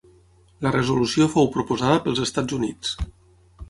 La resolució fou proposada pels Estats Units.